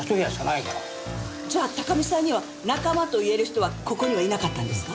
じゃあ高見さんには「仲間」と言える人はここにはいなかったんですか？